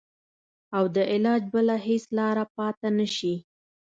او د علاج بله هېڅ لاره پاته نه شي.